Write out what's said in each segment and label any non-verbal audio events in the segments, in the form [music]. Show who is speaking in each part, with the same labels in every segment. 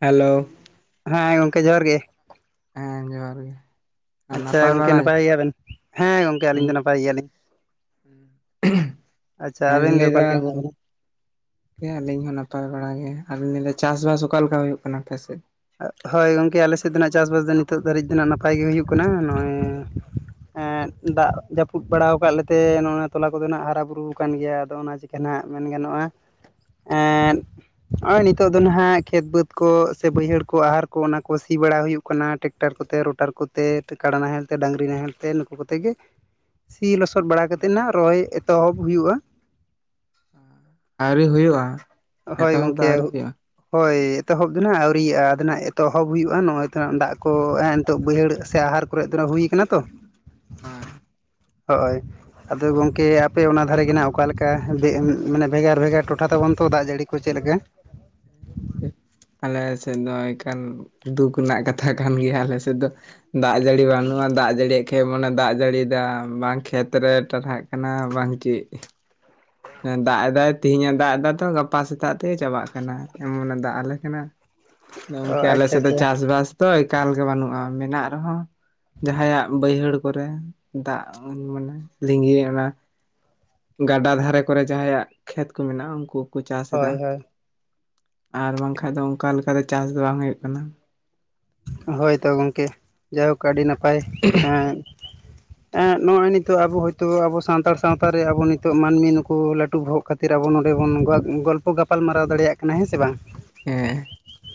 Speaker 1: Hello
Speaker 2: ᱦᱮᱸ ᱜᱚᱝᱠᱮ ᱡᱚᱦᱟᱨ ᱜᱮ
Speaker 1: ᱦᱮᱸ ᱡᱚᱦᱟᱨ ᱜᱮ ᱟᱨ
Speaker 2: ᱟᱪᱪᱷᱟ ᱜᱚᱝᱠᱮ
Speaker 1: ᱵᱟᱲᱟ ᱜᱮ
Speaker 2: ᱱᱟᱯᱟᱭ ᱜᱮᱭᱟᱵᱮᱱ ᱦᱮᱸ ᱜᱚᱝᱠᱮ
Speaker 1: ᱦᱩᱸ
Speaker 2: ᱟᱹᱞᱤᱧ ᱫᱚ ᱱᱟᱯᱟᱭ ᱜᱮᱭᱟᱞᱤᱧ᱾ ᱟᱪᱪᱷᱟ ᱟᱹᱵᱤᱱ ᱜᱮ ᱚᱠᱟᱞᱮᱠᱟ ᱦᱮᱱᱟᱜ ᱵᱮᱱᱟ?
Speaker 1: ᱠᱮ ᱟᱹᱞᱤᱧ ᱦᱚᱸ ᱱᱟᱯᱟᱭ ᱵᱟᱲᱟ ᱜᱮ ᱟᱨ ᱞᱤᱧ ᱞᱟᱹᱭᱮᱫᱟ ᱪᱟᱥᱵᱟᱥ ᱚᱠᱟᱞᱮᱠᱟ ᱦᱩᱭᱩᱜ ᱠᱟᱱᱟ ᱟᱯᱮᱥᱮᱫ?
Speaker 2: ᱦᱳᱭ ᱜᱚᱝᱠᱮ ᱟᱞᱮ ᱥᱮᱫ ᱫᱚᱱᱟᱜ ᱪᱟᱥ ᱵᱟᱥ ᱫᱚ ᱱᱤᱛᱚᱜ ᱫᱷᱟᱹᱨᱤᱡ ᱫᱚᱱᱟᱸᱜ ᱱᱟᱯᱟᱭ ᱜᱮ ᱦᱩᱭᱩᱜ ᱠᱟᱱᱟ ᱱᱚᱜ-ᱚᱭ ᱮᱸᱫ ᱫᱟᱜ ᱡᱟᱹᱯᱩᱫ ᱵᱟᱲᱟᱣᱟᱠᱟᱫ ᱞᱮᱛᱮ ᱱᱚᱜ-ᱟ ᱛᱚᱞᱟ ᱠᱚᱫᱚ ᱱᱟᱜ ᱦᱟᱨᱟ ᱵᱩᱨᱩᱣᱚᱠᱟᱱ ᱜᱮᱭᱟ ᱟᱫᱚ ᱚᱱᱟ ᱪᱤᱠ- [unintelligible] ᱜᱮᱱᱟᱜ ᱢᱮᱱ ᱜᱟᱱᱚᱜ-ᱟ᱾ ᱮᱫ ᱱᱚᱜ-ᱚᱭ ᱱᱤᱛᱚᱜ ᱫᱚ ᱱᱟᱦᱟᱸᱜ ᱠᱷᱮᱛ ᱵᱟᱹᱫᱽ ᱠᱚ ᱥᱮ ᱵᱟᱹᱭᱦᱟᱹᱲ ᱠᱚ ᱟᱦᱟᱨ ᱠᱚ ᱚᱱᱟ ᱠᱚ ᱥᱤ ᱵᱟᱲᱟ ᱦᱩᱭᱩᱜ ᱠᱟᱱᱟ ᱴᱮᱠᱴᱟᱨ ᱠᱚᱛᱮ ᱨᱚᱴᱟᱨ ᱠᱚᱛᱮ ᱠᱟᱰᱟ ᱱᱟᱦᱮᱞ ᱛᱮ ᱰᱟᱹᱝᱨᱤ ᱱᱟᱦᱮᱞ ᱛᱮ ᱱᱩᱠᱩ ᱠᱚᱛᱮ ᱜᱮ᱾ ᱥᱤ ᱞᱚᱥᱚᱫ ᱵᱟᱲᱟ ᱠᱟᱛᱮ ᱱᱟᱜ ᱨᱚᱦᱚᱭ ᱮᱛᱚᱦᱚᱵ ᱦᱩᱭᱩᱜ-ᱟ᱾
Speaker 1: ᱟᱹᱣᱨᱤ ᱦᱩᱭᱩᱜ-ᱟ
Speaker 2: ᱦᱳᱭ
Speaker 1: ᱮᱛᱚᱦᱚᱵ ᱫᱚ
Speaker 2: ᱜᱚᱢᱠᱮ
Speaker 1: ᱟᱹᱣᱨᱤ ᱦᱩᱭᱩᱜ-ᱟ᱾
Speaker 2: ᱦᱳᱭ ᱮᱛᱚᱦᱚᱵ ᱫᱚ ᱱᱟᱜ ᱟᱹᱣᱨᱤᱭᱟᱜ-ᱟ᱾ ᱱᱟᱜ ᱮᱛᱚᱦᱚᱵ ᱦᱩᱭᱩᱜ-ᱟ ᱱᱚᱜ-ᱚᱭ ᱛᱚ ᱦᱟᱸᱜ ᱫᱟᱜ ᱠᱚ ᱱᱤᱛᱚᱜ ᱵᱟᱹᱭᱦᱟᱹᱲ ᱥᱮ ᱟᱦᱟᱨ ᱠᱚᱨᱮ ᱫᱚ ᱱᱟᱜ ᱦᱩᱭ ᱟᱠᱟᱱᱟ ᱛᱚ᱾ ᱦᱳᱭ ᱟᱫᱚ ᱜᱚᱝᱠᱮ ᱟᱯᱮ ᱚᱱᱟ ᱫᱷᱟᱨᱮᱜ ᱜᱮ ᱱᱟᱜ ᱚᱠᱟᱞᱮᱠᱟ ᱢᱟᱱᱮ ᱵᱷᱮᱜᱟᱨ ᱵᱷᱮᱜᱟᱨ ᱴᱚᱴᱷᱟ ᱛᱟᱵᱚᱱ ᱛᱚ ᱫᱟᱜ ᱡᱟᱹᱲᱤ ᱠᱚ ᱪᱮᱫ ᱞᱮᱠᱟ?
Speaker 1: ᱟᱞᱮ ᱥᱮᱫ ᱫᱚ ᱮᱠᱟᱞ ᱫᱩᱠ ᱨᱮᱱᱟᱜ ᱠᱟᱛᱷᱟ ᱠᱟᱱ ᱜᱮᱭᱟ ᱟᱞᱮ ᱥᱮᱫ ᱫᱚ? ᱫᱟᱜ ᱡᱟᱹᱲᱤ ᱵᱟᱹᱱᱩᱜᱼᱟ ᱫᱟᱜ ᱡᱟᱹᱲᱤᱭ ᱠᱷᱮᱡ ᱢᱚᱱᱮ ᱫᱟᱜ ᱡᱟᱹᱲᱤᱭ ᱫᱟᱢ ᱵᱟᱝ ᱠᱷᱮᱛᱨᱮ ᱴᱟᱨᱦᱟᱜ ᱠᱟᱱᱟ ᱵᱟᱝ ᱪᱮᱫ᱾ ᱫᱟᱜ ᱮᱫᱟᱭ ᱛᱮᱦᱤᱧᱮ ᱫᱟᱜ ᱮᱫᱟ ᱛᱚ ᱜᱟᱯᱟ ᱥᱮᱛᱟᱜ ᱛᱮᱭ ᱪᱟᱵᱟᱜ ᱠᱟᱱᱟ ᱮᱢᱚᱱ ᱫᱟᱜ ᱟᱞᱮ ᱠᱟᱱᱟ᱾
Speaker 2: ᱚ
Speaker 1: ᱜᱚᱝᱠᱮ ᱟᱞᱮ
Speaker 2: ᱟᱪᱪᱷᱟ
Speaker 1: ᱥᱮᱫ ᱫᱚ
Speaker 2: ᱟᱪᱪᱷᱟ
Speaker 1: ᱪᱟᱥᱵᱟᱥ ᱛᱚ ᱮᱠᱟᱞ ᱜᱮ ᱵᱟᱹᱱᱩᱜᱼᱟ ᱢᱮᱱᱟᱜ ᱨᱮᱦᱚᱸ ᱡᱟᱦᱟᱸᱭᱟᱜ ᱵᱟᱹᱭᱦᱟᱹᱲ ᱠᱚᱨᱮ ᱫᱟᱜ ᱢᱟᱱᱮ ᱞᱤᱸᱜᱤ ᱚᱱᱟ ᱜᱟᱰᱟ ᱫᱷᱟᱨᱮ ᱠᱚᱨᱮ ᱡᱟᱦᱟᱸᱭᱟᱜ ᱠᱷᱮᱛ ᱠᱚ ᱢᱮᱱᱟᱜᱼᱟ ᱩᱱᱠᱩᱠᱚ ᱪᱟᱥ ᱮᱫᱟ᱾
Speaker 2: ᱦᱳᱭ ᱦᱳᱭ
Speaker 1: ᱟᱨ ᱵᱟᱝᱠᱷᱟᱡ ᱫᱚ ᱚᱱᱠᱟ ᱞᱮᱠᱟ ᱫᱚ ᱪᱟᱥ ᱫᱚ ᱵᱟᱝ ᱦᱩᱭᱩᱜ ᱠᱟᱱᱟ᱾
Speaker 2: ᱦᱳᱭ ᱛᱚ ᱜᱚᱝᱠᱮ ᱡᱟᱭᱦᱳᱠ ᱟᱹᱰᱤ ᱱᱟᱯᱟᱭ ᱮᱸ ᱮᱸᱜ ᱱᱚᱜᱼᱚᱭ ᱱᱤᱛᱚᱜ ᱟᱵᱚ ᱦᱚᱭᱛᱳ ᱟᱵᱚ ᱥᱟᱱᱛᱟᱲ ᱥᱟᱶᱛᱟ ᱨᱮ ᱟᱵᱚ ᱱᱤᱛᱚᱜ ᱢᱟᱹᱱᱢᱤ ᱱᱩᱠᱩ ᱞᱟᱹᱴᱩ ᱵᱚᱦᱚᱜᱽ ᱠᱷᱟᱹᱛᱤᱨ ᱟᱵᱚ ᱱᱚᱰᱮ ᱵᱚᱱ ᱜᱚᱞᱯᱚ ᱜᱟᱯᱟᱞᱢᱟᱨᱟᱣ ᱫᱟᱲᱮᱭᱟᱜ ᱠᱟᱱᱟ ᱦᱮᱸ ᱥᱮ ᱵᱟᱝ?
Speaker 1: ᱦᱮᱸ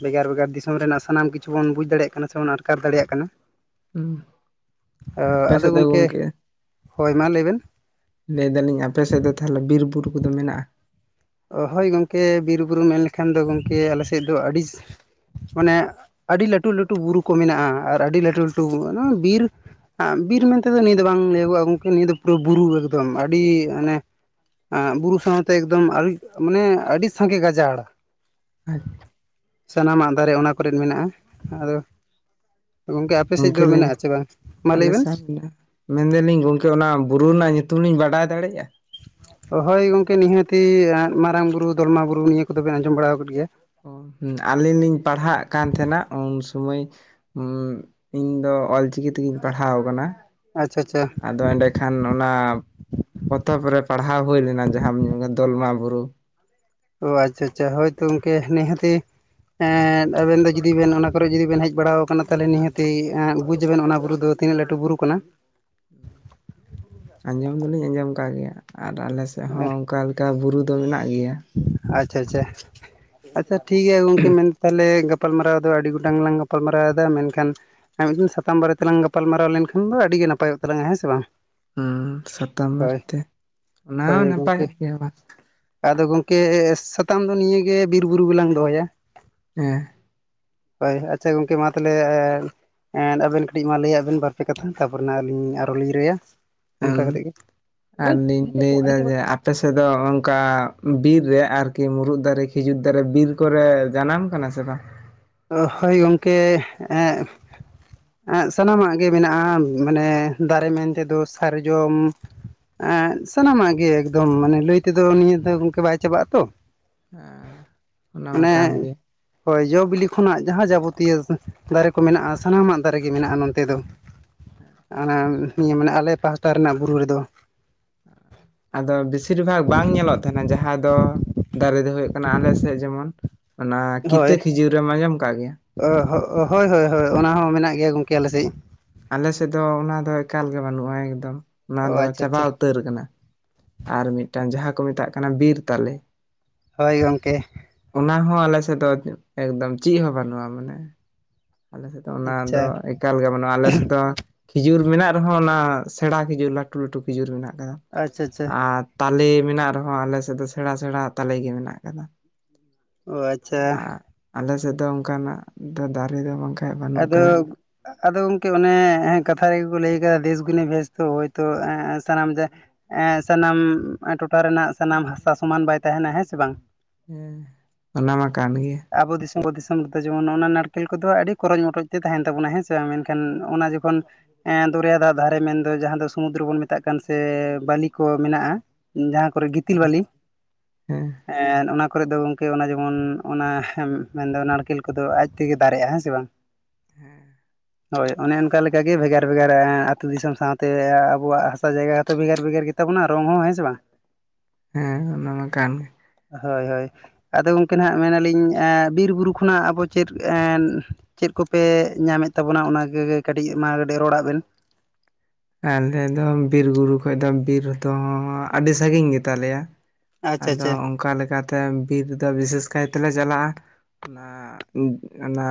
Speaker 2: ᱵᱷᱮᱜᱟᱨ ᱵᱷᱮᱜᱟᱨ ᱫᱤᱥᱚᱢ ᱨᱮᱱᱟᱜ ᱥᱟᱱᱟᱢ ᱠᱤᱪᱷᱩ ᱵᱚᱱ ᱵᱩᱡᱽ ᱫᱟᱲᱮᱭᱟᱜ ᱠᱟᱱᱟ ᱥᱮᱵᱚᱱ ᱟᱴᱠᱟᱨ ᱫᱟᱲᱮᱭᱟᱜ ᱠᱟᱱᱟ᱾
Speaker 1: ᱦᱩᱸ
Speaker 2: ᱟ
Speaker 1: ᱟᱯᱮ
Speaker 2: ᱟᱫᱚ
Speaker 1: ᱥᱮᱫ ᱫᱚ
Speaker 2: ᱜᱚᱝᱠᱮ ᱦᱳᱭ ᱢᱟ ᱞᱟᱹᱭ ᱵᱮᱱ᱾
Speaker 1: ᱞᱟᱹᱭ ᱫᱟᱞᱤᱧ ᱟᱯᱮ ᱥᱮᱫ ᱫᱚ ᱛᱟᱦᱚᱞᱮ ᱵᱤᱨ ᱵᱩᱨᱩ ᱠᱚᱫᱚ ᱢᱮᱱᱟᱜᱼᱟ᱾
Speaker 2: ᱚ ᱦᱳᱭ ᱜᱚᱝᱠᱮ ᱵᱤᱨᱼ ᱵᱩᱨᱩ ᱢᱮᱱ ᱞᱮᱠᱷᱟᱱ ᱫᱚ ᱜᱚᱝᱠᱮ ᱟᱞᱮ ᱥᱮᱫ ᱫᱚ ᱟᱹᱰᱤ ᱢᱟᱱᱮ ᱟᱹᱰᱤ ᱞᱟᱹᱴᱩ ᱞᱟᱹᱴᱩ ᱵᱩᱨᱩ ᱠᱚ ᱢᱮᱱᱟᱜᱼᱟ ᱟᱨ ᱟᱹᱰᱤ ᱞᱟᱹᱴᱩ ᱞᱟᱹᱴᱩ ᱵᱤᱨ ᱵᱤᱨ ᱢᱮᱱᱛᱮᱫᱚ ᱱᱤᱭᱟᱹ ᱫᱚ ᱵᱟᱝ ᱞᱟᱹᱭᱟᱜᱼᱟ ᱜᱚᱝᱠᱮ ᱱᱤᱭᱟᱹ ᱫᱚ ᱯᱩᱨᱚ ᱵᱩᱨᱩ ᱮᱠᱫᱚᱢ ᱟᱹᱰᱤ ᱢᱟᱱᱮ ᱟᱸ ᱵᱩᱨᱩ ᱥᱟᱶᱛᱮ ᱮᱠᱫᱚᱢ ᱢᱟᱱᱮ ᱟᱹᱰᱤ ᱥᱟᱸᱜᱮ ᱜᱟᱡᱟᱲ
Speaker 1: ᱟᱪᱪᱷ
Speaker 2: ᱥᱟᱱᱟᱢᱟᱜ ᱫᱟᱨᱮ ᱚᱱᱟ ᱠᱚᱨᱮᱱ ᱢᱮᱱᱟᱜᱼᱟ ᱟᱫᱚ ᱜᱚᱝᱠᱮ ᱟᱯᱮ ᱥᱮᱫ ᱫᱚ ᱢᱮᱱᱟᱜ ᱟᱥᱮ ᱵᱟᱝ ᱢᱟ ᱞᱟᱹᱭ ᱵᱮᱱ
Speaker 1: ᱢᱮᱱ ᱫᱟᱞᱤᱧ ᱜᱚᱝᱠᱮ ᱚᱱᱟ ᱵᱩᱨᱩ ᱨᱮᱱᱟᱜ ᱧᱩᱛᱩᱢ ᱞᱤᱧ ᱵᱟᱰᱟᱭ ᱫᱟᱲᱮᱭᱟᱜᱼᱟ᱾
Speaker 2: ᱦᱳᱭ ᱜᱚᱝᱠᱮ ᱱᱤᱦᱟᱹᱛᱤ ᱢᱟᱨᱟᱝ ᱵᱩᱨᱩ ᱫᱚᱞᱢᱟ ᱵᱩᱨᱩ ᱱᱤᱭᱟᱹ ᱠᱚᱫᱚ ᱵᱮᱱ ᱟᱸᱡᱚᱢ ᱵᱟᱲᱟ ᱟᱠᱟᱫ ᱜᱮᱭᱟ᱾
Speaker 1: ᱚ ᱟᱹᱞᱤᱧ ᱞᱤᱧ ᱯᱟᱲᱦᱟᱜ ᱠᱟᱱ ᱛᱟᱦᱮᱱᱟ ᱩᱱ ᱥᱚᱢᱚᱭ ᱦᱚᱸ ᱤᱧ ᱫᱚ ᱚᱞᱪᱤᱠᱤ ᱛᱮᱜᱤᱧ ᱯᱟᱲᱦᱟᱣ ᱟᱠᱟᱱᱟ᱾
Speaker 2: ᱟᱪᱪᱷᱟ ᱟᱪᱪᱷᱟ
Speaker 1: ᱟᱫᱚ ᱮᱸᱰᱮᱠᱷᱟᱱ ᱚᱱᱟ ᱯᱚᱛᱚᱵ ᱨᱮ ᱯᱟᱲᱦᱟᱣ ᱦᱩᱭ ᱞᱮᱱᱟ ᱡᱟᱦᱟᱸᱢ ᱧᱩᱢ ᱫᱚᱞᱢᱟ ᱵᱩᱨᱩ᱾
Speaker 2: ᱚ ᱟᱪᱪᱷᱟ ᱟᱪᱪᱷᱟ ᱦᱳᱭᱛᱚ ᱜᱚᱝᱠᱮ ᱱᱤᱦᱟᱹᱛᱤ ᱮᱸ ᱟᱵᱮᱱ ᱫᱚ ᱡᱩᱫᱤ ᱵᱮᱱ ᱚᱱᱟ ᱠᱚᱨᱮ ᱡᱩᱫᱤ ᱵᱮᱱ ᱦᱮᱡ ᱵᱟᱲᱟ ᱟᱠᱟᱱᱟ ᱛᱟᱦᱚᱞᱮ ᱱᱤᱦᱟᱹᱛᱤ ᱵᱩᱡᱽ ᱵᱮᱱ ᱚᱱᱟ ᱵᱩᱨᱩ ᱫᱚ ᱛᱤᱱᱟᱹᱜ ᱞᱟᱹᱴᱩ ᱵᱩᱨᱩ ᱠᱟᱱᱟ᱾
Speaker 1: ᱦᱩᱸ ᱟᱸᱡᱚᱢ ᱫᱚᱞᱤᱧ ᱟᱸᱡᱚᱢ ᱟᱠᱟᱫ ᱜᱮᱭᱟ ᱟᱨ ᱟᱞᱮ ᱥᱮᱫ ᱦᱚᱸ ᱚᱱᱠᱟ ᱞᱮᱠᱟ ᱵᱩᱨᱩ ᱫᱚ ᱢᱮᱱᱟᱜ ᱜᱮᱭᱟ᱾
Speaker 2: ᱟᱪᱪᱷᱟ ᱟᱪᱪᱷᱟ ᱟᱪᱪᱷᱟ ᱴᱷᱤᱠᱜᱮᱭᱟ ᱜᱚᱝᱠᱮ ᱢᱮᱱ ᱛᱟᱦᱚᱞᱮ ᱜᱟᱯ ᱜᱟᱯᱟᱞᱢᱟᱨᱟᱣ ᱫᱚ ᱟᱹᱰᱤ ᱜᱚᱴᱟᱝ ᱞᱟᱝ ᱜᱟᱯᱟᱞᱢᱟᱨᱟᱣ ᱫᱟ ᱢᱮᱱᱠᱷᱟᱱ ᱟᱨ ᱢᱤᱫ ᱫᱤᱱ ᱥᱟᱛᱟᱢ ᱵᱟᱨᱮ ᱛᱮᱞᱟᱝ ᱜᱟᱯᱟᱞᱢᱟᱨᱟᱣ ᱞᱮᱱᱠᱷᱟᱱ ᱫᱚ ᱟᱹᱰᱤ ᱜᱮ ᱱᱟᱯᱟᱭᱚᱜ ᱛᱟᱞᱟᱝᱟ ᱦᱮᱸ ᱥᱮ ᱵᱟᱝ᱾
Speaker 1: ᱦᱚᱸ ᱥᱟᱛᱟᱢ
Speaker 2: ᱦᱳᱭ
Speaker 1: ᱵᱟᱨᱮᱛᱮ ᱚᱱᱟ ᱦᱚᱸ
Speaker 2: ᱦᱳᱭ ᱜᱚᱝᱠᱮ
Speaker 1: ᱱᱟᱯᱟᱭᱚᱜ ᱜᱮᱭᱟ ᱵᱟᱝ᱾
Speaker 2: ᱟᱫᱚ ᱜᱚᱝᱠᱮ ᱥᱟᱛᱟᱢ ᱫᱚ ᱱᱤᱭᱟᱹᱜᱮ ᱵᱤᱨ ᱵᱩᱨᱩ ᱜᱮᱞᱟᱝ ᱫᱚᱦᱚᱭᱟ᱾
Speaker 1: ᱦᱮᱸ
Speaker 2: ᱦᱳᱭ ᱟᱪᱪᱷᱟ ᱜᱚᱝᱠᱮ ᱢᱟ ᱛᱟᱦᱚᱞᱮ ᱮᱸ ᱟᱵᱮᱱ ᱠᱟᱹᱴᱤᱡ ᱢᱟ ᱞᱟᱹᱭᱟᱜ ᱵᱮᱱ ᱵᱟᱨᱯᱮ ᱠᱟᱛᱷᱟ ᱛᱟᱨᱯᱚᱨᱮ ᱱᱟᱜ ᱟᱹᱞᱤᱧ ᱟᱨᱚ ᱞᱤᱧ ᱞᱟᱹᱭᱟ᱾
Speaker 1: ᱦᱮᱸ ᱟᱨᱞᱤᱧ ᱞᱟᱹᱭᱫᱟ ᱡᱮ ᱟᱯ ᱟᱯᱮᱥ ᱫᱚ ᱚᱱᱠᱟ ᱵᱤᱨ ᱨᱮ ᱟᱨᱠᱤ ᱢᱩᱨᱩᱫ ᱫᱟᱨᱮ ᱠᱷᱤᱡᱩᱨ ᱫᱟᱨᱮ ᱵᱤᱨ ᱠᱚᱨᱮ ᱡᱟᱱᱟᱢ ᱠᱟᱱᱟ ᱥᱮ ᱵᱟᱝ᱾
Speaker 2: ᱦᱳᱭ ᱜᱚᱢᱠᱮ ᱮᱸ ᱮ ᱥᱟᱱᱟᱢᱟᱜ ᱜᱮ ᱢᱮᱱᱟᱜᱼᱟ ᱢᱟᱱᱮ ᱫᱟᱨᱮ ᱢᱮᱱ ᱛᱮᱫᱚ ᱥᱟᱨᱡᱚᱢ ᱮ ᱥᱟᱱᱟᱢᱟᱜ ᱜᱮ ᱮᱠᱫᱚᱢ ᱢᱟᱱᱮ ᱞᱟᱹᱭ ᱛᱮᱫᱚ ᱱᱤᱭᱟᱹ ᱫᱚ ᱜᱚᱝᱠᱮ ᱵᱟᱭ ᱪᱟᱵᱟᱜ ᱟᱛᱚ᱾
Speaker 1: ᱟ ᱚᱱᱟᱢᱟ ᱠᱟᱱ ᱜᱮ᱾
Speaker 2: ᱦᱚᱭ ᱡᱚ ᱵᱤᱞᱤ ᱠᱷᱚᱱᱟᱜ ᱡᱟᱦᱟᱸ ᱡᱟᱵᱚᱛᱤᱭᱚ ᱫᱟᱨᱮ ᱠᱚ ᱢᱮᱱᱟᱜᱼᱟ ᱥᱟᱱᱟᱢᱟᱜ ᱫᱟᱨᱮ ᱜᱮ ᱢᱮᱱᱟᱜᱼᱟ ᱱᱚᱛᱮ ᱫᱚ᱾ ᱚᱱᱟ ᱱᱤᱭᱟᱹ ᱢᱟᱱᱮ ᱟᱞᱮ ᱯᱟᱦᱴᱟ ᱨᱮᱱᱟᱜ ᱵᱩᱨᱩ ᱨᱮᱫᱚ᱾
Speaker 1: ᱟᱫᱚ ᱵᱮᱥᱤᱨ ᱵᱷᱟᱜᱽ ᱵᱟᱝ ᱧᱮᱞᱚᱜ ᱛᱟᱦᱮᱱᱟ ᱡᱟᱦᱟᱸ ᱫᱚ ᱫᱟᱨᱮ ᱫᱚ ᱦᱩᱭᱩᱜ ᱠᱟᱱᱟ ᱟᱞᱮ ᱥᱮᱫ ᱡᱮᱢᱚᱱ ᱚᱱᱟ ᱠᱤᱛᱟᱹ ᱠᱷᱤᱡᱩᱨᱮᱢ ᱟᱸᱡᱚᱢ ᱠᱟᱜ ᱜᱮᱭᱟ᱾
Speaker 2: ᱚ ᱦᱳᱭ ᱦᱳᱭ ᱦᱳᱭ ᱚᱱᱟ ᱦᱚᱸ ᱢᱮᱱᱟᱜ ᱜᱮᱭᱟ ᱜᱚᱢᱠᱮ ᱟᱞᱮ ᱥᱮᱫ᱾
Speaker 1: ᱟᱞᱮ ᱥᱮᱫ ᱫᱚ ᱚᱱᱟ ᱫᱚ ᱮᱠᱟᱞ ᱜᱮ ᱵᱟᱹᱱᱩᱜᱼᱟ ᱮᱠᱫᱚᱢ ᱚᱱᱟ
Speaker 2: ᱚ
Speaker 1: ᱫᱚ
Speaker 2: ᱟᱪᱪᱷᱟ
Speaker 1: ᱪᱟᱵᱟ
Speaker 2: ᱟᱪᱪᱷᱟ
Speaker 1: ᱩᱛᱟᱹᱨ ᱟᱠᱟᱱᱟ᱾ ᱟᱨ ᱢᱤᱫᱴᱟᱱ ᱡᱟᱦᱟᱸ ᱠᱚ ᱢᱮᱛᱟᱜ ᱠᱟᱱᱟ ᱵᱤᱨ ᱛᱟᱞᱮ᱾
Speaker 2: ᱦᱳᱭ ᱜᱚᱢᱠᱮ
Speaker 1: ᱚᱱᱟ ᱦᱚᱸ ᱟᱞᱮ ᱥᱮᱫ ᱫᱚ ᱮᱠᱫᱚᱢ ᱪᱮᱫ ᱦᱚᱸ ᱵᱟᱹᱱᱩᱜᱼᱟ ᱢᱟᱱᱮ᱾ ᱟᱞᱮ ᱥᱮᱫ ᱫᱚ ᱚᱱᱟ ᱫᱚ
Speaker 2: ᱟᱪᱪᱷᱟ
Speaker 1: ᱮᱠᱟᱞ ᱜᱮ ᱵᱟᱹᱱᱩᱜᱼᱟ ᱟᱞᱮ ᱥᱮᱫ ᱫᱚ ᱠᱷᱤᱡᱩᱨ ᱢᱮᱱᱟᱜ ᱨᱮᱦᱚᱸ ᱚᱱᱟ ᱥᱮᱬᱟ ᱠᱷᱤᱡᱩᱨ ᱞᱟᱹᱴᱩ ᱞᱟᱹᱴᱩ ᱠᱷᱤᱡᱩᱨ ᱢᱮᱱᱟᱜ ᱟᱠᱟᱫᱟ
Speaker 2: ᱟᱪᱪᱷᱟ ᱟᱪᱪᱷᱟ
Speaker 1: ᱟᱨ ᱛᱟᱞᱮ ᱢᱮᱱᱟᱜ ᱨᱮᱦᱚᱸ ᱟᱞᱮ ᱥᱮᱫ ᱫᱚ ᱥᱮᱬᱟ ᱥᱮᱬᱟ ᱛᱟᱞᱮ ᱜᱮ ᱢᱮᱱᱟᱜ ᱟᱠᱟᱫᱟ᱾
Speaker 2: ᱚ ᱟᱪᱪᱷᱟ
Speaker 1: ᱟᱞᱮ ᱥᱮᱫ ᱫᱚ ᱚᱱᱠᱟᱱᱟᱜ ᱫᱚ ᱫᱟᱨᱮ ᱫᱚ ᱵᱟᱝᱠᱷᱟᱱ
Speaker 2: ᱟᱫᱚ ᱟᱫᱚ ᱜᱚᱝᱠᱮ ᱚᱱᱮ ᱠᱟᱛᱷᱟ ᱨᱮᱜᱮ ᱠᱚ ᱞᱟᱹᱭ ᱠᱟᱫᱟ ᱫᱮᱥ ᱜᱩᱱᱤ ᱵᱷᱮᱥ ᱛᱚ ᱦᱚᱭᱛᱳ ᱥᱟᱱᱟᱢ ᱡᱮ ᱮᱸ ᱥᱟᱱᱟᱢ ᱴᱚᱴᱷᱟ ᱨᱮᱱᱟᱜ ᱥᱟᱱᱟᱢ ᱦᱟᱥᱟ ᱥᱚᱢᱟᱱ ᱵᱟᱭ ᱛᱟᱦᱮᱱᱟ ᱦᱮᱸ ᱥᱮ ᱵᱟᱝ᱾
Speaker 1: ᱦᱮᱸ ᱚᱱᱟ ᱢᱟ ᱠᱟᱱ ᱜᱮᱭᱟ᱾
Speaker 2: ᱟᱵᱚ ᱫᱤᱥᱚᱢ ᱫᱤᱥᱚᱢ ᱨᱮᱫᱚ ᱡᱮᱢᱚᱱ ᱚᱱᱟ ᱱᱟᱲᱠᱮᱞ ᱠᱚᱫᱚ ᱟᱹᱰᱤ ᱠᱷᱚᱨᱚᱪ ᱢᱚᱴᱚᱡ ᱛᱮ ᱛᱟᱦᱮᱱ ᱛᱟᱵᱚᱱᱟ ᱦᱮᱸᱥᱮ ᱵᱟᱝ ᱢᱮᱱᱠᱷᱟᱱ ᱚᱱᱟ ᱡᱚᱠᱷᱚᱱ ᱮᱸ ᱫᱚᱨᱭᱟ ᱫᱟᱜ ᱫᱷᱟᱨᱮ ᱢᱮᱱᱫᱚ ᱡᱟᱦᱟᱸ ᱫᱚ ᱥᱩᱚᱢᱩᱫᱨᱚ ᱵᱚᱱ ᱢᱮᱛᱟᱜ ᱠᱟᱱ ᱥᱮ ᱵᱟᱟᱹᱞᱤ ᱠᱚ ᱢᱮᱱᱟᱜᱼᱟ᱾ ᱡᱟᱦᱟᱸ ᱠᱚᱨᱮ ᱜᱤᱛᱤᱞ ᱵᱟᱹᱞᱤ
Speaker 1: ᱦᱮᱸ
Speaker 2: ᱚᱱᱟ ᱠᱚᱨᱮ ᱫᱚ ᱜᱚᱝᱠᱮ ᱚᱱᱟ ᱡᱮᱢᱚᱱ ᱚᱱᱟ ᱢᱮᱱᱫᱚ ᱱᱟᱲᱠᱮᱞ ᱠᱚᱫᱚ ᱟᱡ ᱛᱮᱜᱮ ᱫᱟᱨᱮᱜᱼᱟ ᱦᱮᱸ ᱥᱮ ᱵᱟᱝ᱾
Speaker 1: ᱦᱮᱸ᱾
Speaker 2: ᱦᱳᱭ ᱚᱱᱮ ᱚᱱᱠᱟ ᱞᱮᱠᱟ ᱜᱮ ᱮ ᱵᱷᱮᱜᱟᱨ ᱵᱷᱮᱜᱟᱨ ᱟᱹᱛᱩ ᱫᱤᱥᱚᱢ ᱥᱟᱶᱛᱮ ᱟᱵᱚᱣᱟᱜ ᱦᱟᱥᱟ ᱡᱟᱭᱜᱟ ᱦᱚᱸᱛᱚ ᱵᱷᱮᱜᱟᱨ ᱵᱷᱮᱜᱟᱨ ᱜᱮ ᱛᱟᱵᱚᱱᱟ ᱨᱚᱝ ᱦᱚᱸ, ᱦᱮᱸ ᱥᱮ ᱵᱟᱝ?
Speaker 1: ᱦᱮᱸ ᱚᱱᱟ ᱢᱟ ᱠᱟᱱ ᱜᱮ᱾
Speaker 2: ᱦᱳᱭ ᱦᱳᱭ, ᱟᱫᱚ ᱜᱚᱝᱠᱮ ᱱᱟᱦᱱᱟᱜ ᱢᱮᱱᱟᱞᱤᱧ ᱮᱸ ᱵᱤᱨ ᱵᱩᱨᱩ ᱠᱷᱚᱱᱟᱜ ᱟᱵᱚ ᱪᱮᱫ ᱮᱸ ᱪᱮᱫ ᱠᱚᱯᱮ ᱧᱟᱢᱮᱫ ᱛᱟᱵᱚᱱᱟ ᱚᱱᱟ ᱠᱚᱜᱮ ᱠᱟᱹᱴᱤᱡ ᱢᱟ ᱠᱟᱹᱴᱤᱡ ᱨᱚᱲᱟᱜ ᱵᱮᱱ᱾
Speaker 1: ᱟᱞᱮ ᱫᱚ ᱵᱤᱨ ᱵᱩᱨᱩ ᱠᱷᱚᱡ ᱫᱚ ᱵᱤᱨ ᱫᱚ ᱟᱹᱰᱤ ᱥᱟᱺᱜᱤᱧ ᱜᱮᱛᱟᱞᱮᱭᱟ,
Speaker 2: ᱟᱪᱪᱷᱟ
Speaker 1: ᱟᱫᱚ
Speaker 2: ᱟᱪᱪᱷᱟ
Speaker 1: ᱚᱱᱠᱟ ᱞᱮᱠᱟ ᱛᱮ ᱵᱤᱨ ᱫᱚ ᱵᱤᱥᱮᱥ ᱠᱟᱭᱛᱮ ᱞᱮ ᱪᱟᱞᱟᱜᱼᱟ ᱚᱱᱟ ᱚᱱᱟ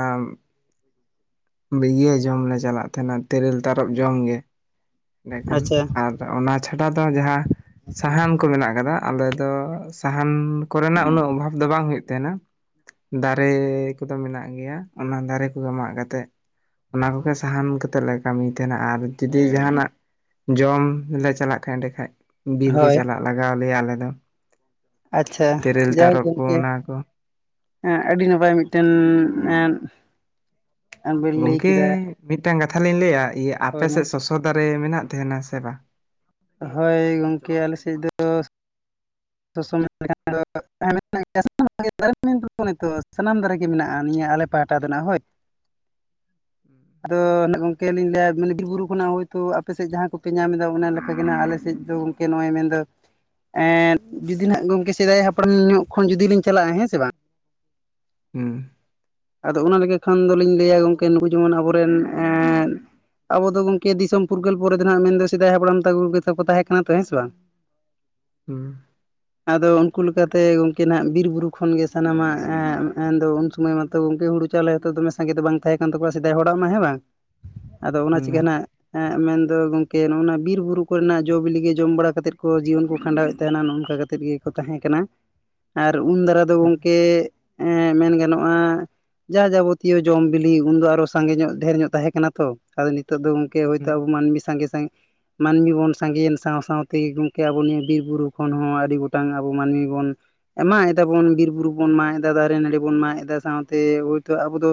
Speaker 1: ᱤᱭᱟᱹ ᱡᱚᱢ ᱞᱮ ᱪᱟᱞᱟᱜ ᱛᱟᱦᱮᱱᱟ ᱛᱮᱨᱮᱞ ᱛᱟᱨᱚᱵ ᱡᱚᱢ ᱜᱮ, ᱮᱸᱰᱮᱠᱷᱟᱱ
Speaker 2: ᱟᱪᱪᱷᱟ
Speaker 1: ᱟᱨ ᱚᱱᱟ ᱪᱷᱟᱰᱟ ᱫᱚ ᱡᱟᱦᱟᱸ ᱥᱟᱦᱟᱱ ᱠᱚ ᱢᱮᱱᱟᱜ ᱟᱠᱟᱫᱟ ᱟᱞᱮ ᱫᱚ ᱥᱟᱦᱟᱱ ᱠᱚᱨᱮᱱᱟᱜ ᱩᱱᱟᱹᱜ ᱚᱵᱷᱟᱵᱽ ᱫᱚ ᱵᱟᱝ ᱦᱩᱭᱩᱜ ᱛᱟᱦᱮᱱᱟ, ᱫᱟᱨᱮ ᱠᱚᱫᱚ ᱢᱮᱱᱟᱜ ᱜᱮᱭᱟ ᱚᱱᱟ ᱫᱟᱨᱮ ᱠᱚᱜᱮ ᱢᱟᱜ ᱠᱟᱛᱮᱫ ᱚᱱᱟ ᱠᱚᱜᱮ ᱥᱟᱦᱟᱱ ᱠᱟᱛᱮᱫ ᱞᱮ ᱠᱟᱹᱢᱤᱭ ᱛᱟᱦᱮᱱᱟ, ᱟᱨ ᱡᱩᱫᱤ ᱡᱟᱦᱟᱱᱟᱜ ᱡᱚᱢ ᱞᱮ ᱪᱟᱞᱟᱜ ᱛᱟᱦᱮᱸᱜ ᱮᱸᱰᱮ ᱠᱷᱟᱡ, ᱵᱤᱨ ᱜᱮ
Speaker 2: ᱦᱳᱭ
Speaker 1: ᱪᱟᱞᱟᱜ ᱞᱟᱜᱟᱣ ᱞᱮᱭᱟ ᱟᱞᱮ ᱫᱚ᱾
Speaker 2: ᱟᱪᱪᱷᱟ
Speaker 1: ᱛᱮᱨᱮᱞ
Speaker 2: ᱡᱟᱭᱦᱳᱠ
Speaker 1: ᱛᱟᱨᱚᱵ ᱠᱚ
Speaker 2: ᱜᱚᱝᱠᱮ᱾
Speaker 1: ᱚᱱᱟ ᱠᱚ
Speaker 2: ᱮᱸ ᱟᱹᱰᱤ ᱱᱟᱯᱟᱭ ᱢᱤᱫᱴᱮᱱ ᱮᱸᱫ
Speaker 1: ᱜᱚᱝᱠᱮ ᱢᱤᱫᱴᱟᱝ ᱠᱟᱛᱷᱟ ᱞᱤᱧ ᱞᱟᱹᱭᱟ, ᱤᱭᱟᱹ ᱟᱯᱮ
Speaker 2: ᱦᱳᱭ ᱢᱟ
Speaker 1: ᱥᱮᱫ ᱥᱚᱥᱚ ᱫᱟᱨᱮ ᱢᱮᱱᱟᱜ ᱛᱟᱦᱮᱱᱟ ᱥᱮ ᱵᱟᱝ?
Speaker 2: ᱦᱳᱭ ᱜᱚᱝᱠᱮ ᱟᱞᱮ ᱥᱮᱫ ᱫᱚ ᱥᱚᱥᱚ [inaudible] [inaudible] ᱥᱟᱱᱟᱢ ᱫᱟᱨᱮ ᱜᱮ ᱢᱮᱱᱟᱜᱼᱟ ᱱᱤᱭᱟᱹ ᱟᱞᱮ ᱯᱟᱦᱴᱟ ᱫᱚ ᱱᱟᱦᱟᱜ ᱦᱳᱭ᱾
Speaker 1: ᱦᱩᱸ᱾
Speaker 2: ᱟᱫᱚ ᱱᱟᱜ ᱜᱚᱝᱠᱮ ᱞᱤᱧ ᱞᱟᱹᱭᱟ ᱢᱟᱱᱮ ᱵᱤᱨ ᱵᱩᱨᱩ ᱠᱷᱚᱱᱟᱜ ᱦᱳᱭᱛᱳ ᱟᱯᱮ ᱥᱮᱫ ᱡᱟᱦᱟᱸ ᱠᱚᱯᱮ ᱧᱟᱢ ᱮᱫᱟ ᱚᱱᱟ ᱞᱮᱠᱟ ᱜᱮ ᱱᱟᱜ ᱟᱞᱮ ᱥᱮᱫ ᱫᱚ ᱠᱮ ᱱᱚᱜᱼᱚᱭ ᱢᱮᱱᱫᱚ ᱮᱸ ᱡᱩᱫᱤ ᱦᱟᱦᱟᱜ ᱜᱚᱝᱠᱮ ᱥᱮᱫᱟᱭ ᱦᱟᱯᱲᱟᱢ ᱧᱚᱜ ᱠᱷᱚᱱ ᱡᱩᱫᱤ ᱞᱤᱧ ᱪᱟᱞᱟᱜᱼᱟ, ᱦᱮᱸ ᱥᱮ ᱵᱟᱝ?
Speaker 1: ᱦᱩᱸ᱾
Speaker 2: ᱟᱫᱚ ᱚᱱᱟ ᱞᱮᱠᱟ ᱠᱷᱟᱱ ᱫᱚᱞᱤᱧ ᱞᱟᱹᱭᱟ ᱜᱚᱝᱠᱮ ᱱᱩᱠᱩ ᱡᱮᱢᱚᱱ ᱟᱵᱚᱨᱮᱱ ᱮᱸ ᱟᱵᱚ ᱫᱚ ᱜᱚᱝᱠᱮ ᱫᱤᱥᱚᱢ ᱯᱷᱩᱨᱜᱟᱹᱞ ᱯᱚᱨᱮ ᱫᱚ ᱱᱟᱦᱟᱜ ᱢᱮᱱᱫᱚ ᱥᱮᱫᱟᱭ ᱦᱟᱯᱲᱟᱢ ᱛᱟᱠᱚ ᱜᱮᱛᱚ ᱠᱚ ᱛᱟᱦᱮᱸ ᱠᱟᱱᱟ ᱛᱚ, ᱦᱮᱸ ᱥᱮ ᱵᱟᱝ?
Speaker 1: ᱦᱩᱸ᱾
Speaker 2: ᱟᱫᱚ ᱩᱱᱠᱩ ᱞᱮᱠᱟ ᱛᱮ ᱜᱚᱝᱠᱮ ᱱᱟᱦᱟᱜ ᱵᱤᱨ ᱵᱩᱨᱩ ᱠᱷᱚᱱ ᱜᱮ ᱥᱟᱱᱟᱢᱟᱜ ᱮᱸ ᱢᱮᱱᱫᱚ ᱩᱱ ᱥᱚᱢᱚᱭ ᱢᱟ ᱛᱚ ᱜᱚᱝᱠᱮ ᱦᱩᱱᱩ ᱪᱟᱣᱞᱮ ᱦᱚᱸᱛᱚ ᱫᱚᱢᱮ ᱥᱟᱸᱜᱮ ᱫᱚ ᱵᱟᱝ ᱛᱟᱦᱮᱸ ᱠᱟᱱ ᱛᱟᱠᱚᱣᱟ ᱥᱮᱫᱟᱭ ᱦᱚᱲᱟᱜ ᱢᱟ, ᱦᱮᱸ ᱵᱟᱝ? ᱟᱫᱚ ᱚᱱᱟ
Speaker 1: ᱦᱩᱸ
Speaker 2: ᱪᱤᱠᱟᱹ ᱱᱟᱜ ᱮᱸᱜ ᱢᱮᱱᱫᱚ ᱜᱚᱝᱠᱮ ᱱᱚᱜᱼᱚ ᱱᱟ ᱵᱤᱨ ᱵᱩᱨᱩ ᱠᱚᱨᱮᱱᱟᱜ ᱡᱚ ᱵᱤᱞᱤ ᱜᱮ ᱡᱚᱢ ᱵᱟᱲᱟ ᱠᱟᱛᱮᱫ ᱠᱚ ᱡᱤᱭᱚᱱ ᱠᱚ ᱠᱷᱟᱸᱰᱟᱣᱮᱫ ᱛᱮ ᱚᱱᱟ ᱱᱚ-ᱚᱱᱠᱟ ᱠᱟᱛᱮᱫ ᱜᱮᱠᱚ ᱛᱟᱦᱮᱸ ᱠᱟᱱᱟ᱾ ᱟᱨ ᱩᱱ ᱫᱟᱨᱟ ᱫᱚ
Speaker 1: ᱦᱩᱸ
Speaker 2: ᱜᱚᱝᱠᱮ ᱢᱮᱱ ᱮᱸ ᱢᱮᱱ ᱜᱟᱱᱚᱜᱼᱟ ᱡᱟ ᱡᱟᱵᱚᱛᱤᱭᱚ ᱡᱚᱢ ᱵᱤᱞᱤ ᱩᱱᱫᱚ ᱟᱨᱚ ᱥᱟᱸᱜᱮ ᱧᱚᱜ ᱰᱷᱮᱨ ᱧᱚᱜ ᱛᱟᱦᱮᱸ ᱠᱟᱱᱟ ᱛᱚ, ᱟᱫᱚ ᱱᱤᱛ ᱛᱚᱜ ᱫᱚ ᱜᱚᱝᱠᱮ ᱦᱳᱭᱛᱳ
Speaker 1: ᱦᱩᱸ
Speaker 2: ᱟᱵᱚ ᱢᱟᱹᱱᱢᱤ ᱥᱟᱜᱮ ᱥᱟᱸᱜᱮ ᱢᱟᱱᱢᱤ ᱵᱚᱱ ᱥᱟᱸᱜᱮᱭᱮᱱ ᱥᱟᱶ ᱥᱟᱶᱛᱮ ᱜᱚᱝᱠᱮ ᱟᱵᱚ ᱱᱣᱭᱟᱹ ᱵᱤᱨ ᱵᱩᱨᱩ ᱠᱷᱚᱱ ᱦᱚᱸ ᱟᱹᱰᱤ ᱜᱚᱴᱟᱝ ᱟᱵᱚ ᱢᱟᱹᱱᱢᱤ ᱵᱚᱱ ᱮᱸ ᱢᱟᱜ ᱮᱫᱟᱵᱚᱱ ᱵᱤᱨ ᱵᱩᱨᱩ ᱵᱚᱱ ᱢᱟᱜ ᱮᱫᱟ, ᱫᱟᱨᱮ ᱱᱟᱹᱲᱤ ᱵᱚᱱ ᱢᱟᱜ ᱮᱫᱟ, ᱥᱟᱶᱛᱮ ᱦᱳᱭᱛᱳ ᱟᱵᱚ ᱫᱚ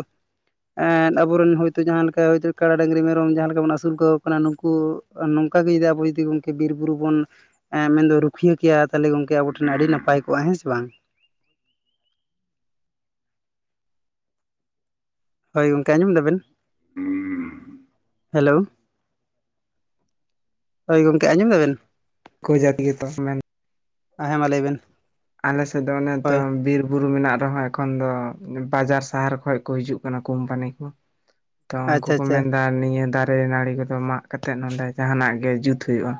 Speaker 2: ᱮᱸᱫ ᱟᱵᱚᱨᱮᱱ ᱦᱳᱭᱛᱳ ᱡᱟᱦᱟᱸ ᱞᱮᱠᱟ ᱦᱳᱭᱛᱳ ᱠᱟᱲᱟ, ᱰᱟᱹᱝᱨᱤ, ᱢᱮᱨᱚᱢ ᱡᱟᱦᱟᱸ ᱞᱮᱠᱟ ᱵᱚᱱ ᱟᱹᱥᱩᱞ ᱠᱟᱠᱚ ᱠᱟᱱᱟ ᱱᱩᱱᱠᱩ ᱮᱸ ᱱᱚᱝᱠᱟ ᱜᱮ ᱡᱩᱫᱤ ᱟᱵᱚ ᱡᱩᱫᱤ ᱜᱚᱝᱠᱮ ᱵᱤᱨ ᱵᱩᱨᱩ ᱵᱚᱱ ᱮᱸ ᱢᱮᱱᱫᱚ ᱨᱩᱠ ᱠᱷᱤᱭᱟᱹᱠᱮᱭᱟ ᱛᱟᱞᱦᱮ ᱜᱚᱝᱠᱮ ᱟᱵᱚ ᱴᱷᱮᱱ ᱟᱹᱰᱤ ᱱᱟᱯᱟᱭ ᱠᱚᱜᱼᱟ, ᱦᱮᱸ ᱥᱮ ᱵᱟᱝ? ᱦᱳᱭ ᱜᱚᱝᱠᱮ ᱟᱸᱡᱚᱢ ᱫᱟᱵᱤᱱ? ᱦᱮᱞᱳ, ᱦᱳᱭ ᱜᱚᱝᱠᱮ, ᱟᱸᱡᱚᱢ ᱫᱟᱵᱮᱱ?
Speaker 1: ᱠᱩ ᱡᱟᱹᱛ ᱜᱮᱛᱚ ᱢᱮᱱ
Speaker 2: ᱮᱸ ᱦᱮᱸ ᱢᱟ ᱞᱟᱹᱭᱵᱮᱱ
Speaker 1: ᱟᱞᱮᱥᱮᱫ ᱫᱚ ᱚᱱᱮ ᱛᱚ ᱵᱤᱨ ᱵᱩᱨᱩ ᱢᱮᱱᱟᱜ ᱨᱮᱦᱚᱸ ᱮᱠᱷᱚᱱ ᱫᱚ ᱵᱟᱡᱟᱨ ᱥᱟᱦᱮᱨ ᱠᱷᱚᱱ ᱠᱚ ᱦᱤᱡᱩᱜ ᱠᱟᱱᱟ ᱠᱳᱢᱯᱟᱱᱤ ᱠᱚ᱾ ᱛᱚ ᱩᱱᱠᱩ
Speaker 2: ᱟᱪᱪᱷᱟ
Speaker 1: ᱠᱚ
Speaker 2: ᱟᱪᱪᱷᱟ
Speaker 1: ᱢᱮᱱᱫᱟ ᱱᱤᱭᱟᱹ ᱫᱟᱨᱮ ᱱᱟᱹᱲᱤ ᱠᱚᱫᱚ ᱢᱟᱜ ᱠᱟᱛᱮᱫ ᱱᱚᱰᱮ ᱡᱟᱦᱟᱱᱟᱜ ᱜᱮ ᱡᱩᱛ ᱦᱩᱭᱩᱜᱼᱟ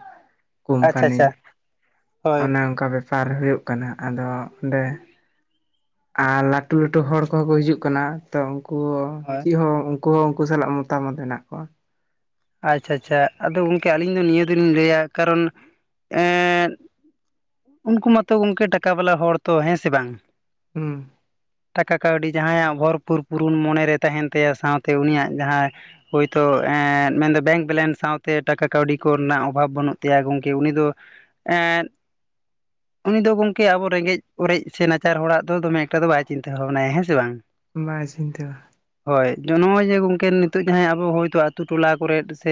Speaker 2: ᱟᱪᱪᱷᱟ
Speaker 1: ᱠᱳᱢᱯᱟᱱᱤ
Speaker 2: ᱟᱪᱪᱷᱟ ᱦᱳᱭ
Speaker 1: ᱚᱱᱮ ᱚᱱᱠᱟ ᱵᱮᱯᱟᱨ ᱦᱩᱭᱩᱜ ᱠᱟᱱᱟ ᱟᱫᱚ ᱚᱸᱰᱮ ᱟᱨ ᱞᱟᱹᱴᱩ ᱞᱟᱹᱴᱩ ᱦᱚᱲ ᱠᱚᱦᱚᱸ ᱠᱚ ᱦᱤᱡᱩᱜ ᱠᱟᱱᱟ ᱛᱚ ᱩᱱᱠᱩ
Speaker 2: ᱦᱳᱭ
Speaker 1: ᱪᱮᱜ ᱦᱚᱸ ᱩᱱᱠᱩ ᱦᱚᱸ ᱩᱱᱠᱩ ᱥᱟᱞᱟᱜ ᱢᱚᱛᱟᱢᱚᱛ ᱦᱮᱱᱟᱜ ᱠᱚᱣᱟ᱾
Speaker 2: ᱟᱪᱪᱷᱟ ᱟᱪᱪᱷᱟ ᱟᱫᱚ ᱜᱚᱝᱠᱮ ᱟᱹᱞᱤᱧ ᱫᱚ ᱱᱤᱭᱟᱹ ᱫᱚᱞᱤᱧ ᱞᱟᱹᱭᱟ ᱠᱟᱨᱚᱱ ᱮᱸ ᱩᱱᱠᱩ ᱢᱟᱛᱚ ᱜᱚᱢᱠᱮ ᱴᱟᱠᱟ ᱵᱟᱞᱟ ᱦᱚᱲ ᱛᱚ ᱦᱮᱸ ᱥᱮ ᱵᱟᱝ᱾
Speaker 1: ᱦᱩᱸ
Speaker 2: ᱴᱟᱠᱟ ᱠᱟᱹᱣᱰᱤ ᱡᱟᱦᱟᱸᱭᱟᱜ ᱵᱷᱚᱨᱯᱩᱨ ᱯᱩᱨᱩᱱ ᱢᱚᱱᱮᱨᱮ ᱛᱟᱦᱮᱱ ᱛᱟᱭᱟ ᱥᱟᱶᱛᱮ ᱩᱱᱤᱭᱟᱜ ᱡᱟᱦᱟᱸ ᱦᱳᱭᱛᱳ ᱮᱸ ᱢᱮᱱᱫᱚ ᱵᱮᱝᱠ ᱵᱮᱞᱮᱱᱥ ᱥᱟᱶᱛᱮ ᱴᱟᱠᱟ ᱠᱟᱹᱣᱰᱤ ᱠᱚᱨᱮᱱᱟᱜ ᱚᱵᱷᱟᱵᱽ ᱵᱟᱹᱱᱩᱜ ᱛᱟᱭᱟ ᱜᱚᱢᱠᱮ ᱩᱱᱤ ᱫᱚ ᱮᱸᱜ ᱩᱱᱤ ᱫᱚ ᱜᱚᱝᱠᱮ ᱟᱵᱚ ᱨᱮᱸᱜᱮᱡ ᱚᱨᱮᱡ ᱥᱮ ᱱᱟᱪᱟᱨ ᱦᱚᱲᱟᱜ ᱫᱚᱢᱮ ᱮᱠᱴᱟ ᱫᱚ ᱵᱟᱭ ᱪᱤᱱᱛᱟᱹ ᱵᱷᱟᱵᱽᱱᱟᱭᱟ ᱦᱮᱸ ᱥᱮ ᱵᱟᱝ᱾
Speaker 1: ᱵᱟᱭ ᱪᱤᱱᱛᱟᱹᱣᱟ᱾
Speaker 2: ᱦᱳᱭ ᱡᱚ ᱱᱚᱜᱼᱚᱭ ᱡᱮ ᱜᱚᱝᱠᱮ ᱱᱤᱛᱚᱜ ᱡᱟᱦᱟᱸᱭ ᱟᱵᱚ ᱦᱚᱭᱛᱳ ᱟᱹᱛᱩ ᱴᱚᱞᱟ ᱯᱷᱚᱨᱮᱥᱴ ᱥᱮ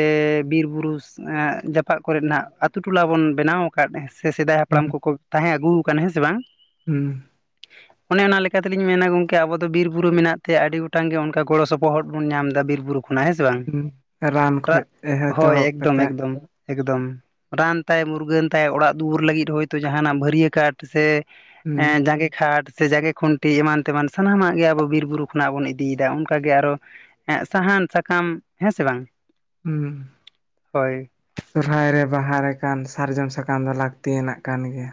Speaker 2: ᱵᱤᱨ ᱵᱩᱨᱩ ᱮᱸᱜ ᱡᱟᱯᱟᱜ ᱠᱚᱨᱮ ᱱᱟᱜ ᱟᱛᱳ ᱴᱚᱞᱟ ᱵᱚᱱ ᱵᱮᱱᱟᱣ ᱠᱟᱜ ᱥᱮ ᱥᱮᱫᱟᱭ ᱦᱟᱯᱲᱟᱢ
Speaker 1: ᱦᱩᱸ
Speaker 2: ᱠᱚᱠᱚ ᱛᱟᱦᱮᱸ ᱟᱹᱜᱩ ᱟᱠᱟᱱᱟ ᱦᱮᱸ ᱥᱮ ᱵᱟᱝ᱾
Speaker 1: ᱦᱩᱸ
Speaker 2: [inaudible] ᱚᱱᱮ ᱚᱱᱟ ᱞᱮᱠᱟ ᱛᱮᱞᱤᱧ ᱢᱮᱱᱟ ᱜᱚᱝᱠᱮ ᱟᱵᱚ ᱫᱚ ᱵᱤᱨ ᱵᱩᱨᱩ ᱢᱮᱱᱟᱜ ᱛᱮ ᱟᱹᱰᱤ ᱜᱚᱴᱟᱝ ᱜᱮ ᱚᱱᱠᱟ ᱜᱚᱲᱚ ᱥᱚᱯᱚᱦᱚᱫ ᱵᱚᱱ ᱧᱟᱢ ᱮᱫᱟ ᱵᱤᱨ ᱵᱩᱨᱩ ᱠᱷᱚᱱᱟᱜ ᱦᱮᱸ ᱥᱮ ᱵᱟᱝ
Speaker 1: ᱦᱩᱸ ᱨᱟᱱ
Speaker 2: ᱴᱟᱜ
Speaker 1: ᱠᱷᱚᱡ
Speaker 2: ᱦᱳᱭ
Speaker 1: ᱮᱛᱚᱦᱚᱵ
Speaker 2: ᱮᱠᱫᱚᱢ
Speaker 1: ᱠᱟᱛᱮᱫ
Speaker 2: ᱮᱠᱫᱚᱢ ᱮᱠᱫᱚᱢ ᱨᱟᱱ ᱛᱟᱭ ᱢᱩᱨᱜᱟᱹᱱ ᱛᱟᱭ ᱚᱲᱟᱜ ᱫᱩᱣᱟᱹᱨ ᱞᱟᱹᱜᱤᱫ ᱦᱚᱭᱛᱳ ᱡᱟᱦᱟᱱᱟᱜ ᱵᱷᱟᱹᱨᱭᱟᱹ ᱠᱟᱴ ᱥᱮ ᱮ
Speaker 1: ᱦᱩᱸ
Speaker 2: ᱡᱟᱸᱜᱮᱠᱴ ᱠᱷᱟᱴ ᱥᱮ ᱡᱟᱜᱮ ᱠᱷᱩᱱᱴᱤ ᱮᱢᱟᱱ ᱛᱮᱢᱟᱱ ᱥᱟᱱᱟᱢᱟᱜ ᱜᱮ ᱟᱵᱚ ᱵᱤᱨ ᱵᱩᱨᱩ ᱠᱷᱚᱱᱟᱜ ᱵᱚᱱ ᱤᱫᱤᱭᱮᱫᱟ ᱚᱱᱠᱟᱜᱮ ᱟᱨᱚ ᱮᱸᱜ ᱥᱟᱦᱟᱱ ᱥᱟᱠᱟᱢ ᱦᱮᱸ ᱥᱮ ᱵᱟᱝ᱾
Speaker 1: ᱦᱩᱸ
Speaker 2: ᱦᱳᱭ
Speaker 1: ᱥᱚᱦᱨᱟᱭ ᱨᱮ ᱵᱟᱦᱟ ᱨᱮ ᱠᱟᱱ ᱥᱟᱨᱡᱚᱢ ᱥᱟᱠᱟᱢ ᱫᱚ ᱞᱟᱹᱠᱛᱤᱭᱟᱱᱟᱜ ᱠᱟᱱ ᱜᱮᱭᱟ᱾